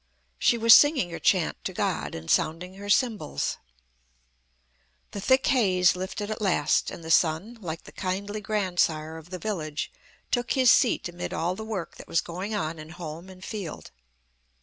She was singing her chant to God, and sounding her cymbals. The thick haze lifted at last; and the sun, like the kindly grandsire of the village, took his seat amid all the work that was going on in home and field.